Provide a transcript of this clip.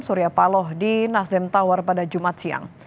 surya paloh di nasdem tawar pada jumat siang